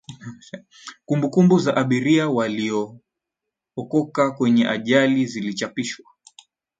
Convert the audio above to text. kumbukumbu za abiria waliookoka kwenya ajali zilichapishwa